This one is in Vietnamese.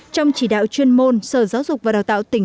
trong chỉ đạo chuyên môn sở giáo dục và đào tạo tỉnh